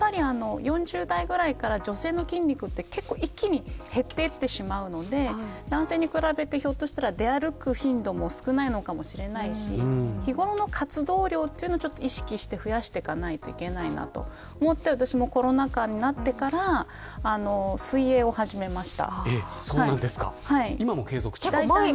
ひょっとすると４０代ぐらいから女性の筋肉って一気に減っていってしまうので男性に比べて、ひょっとしたら出歩く頻度も少ないのかもしれないし日頃の活動量も意識して増やしていかないといけないそう思って私もコロナ禍になってから水泳を始めました。